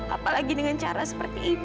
apalagi dengan cara seperti ini